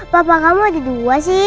papa kamu ada dua sih